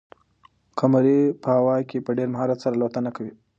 قمري په هوا کې په ډېر مهارت سره الوتنه کوي.